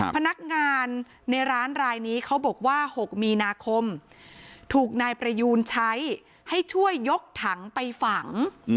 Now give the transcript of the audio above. พนักงานในร้านรายนี้เขาบอกว่า๖มีนาคมถูกนายประยูนใช้ให้ช่วยยกถังไปฝัง